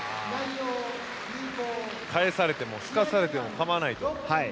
返されても、すかされても構わないと。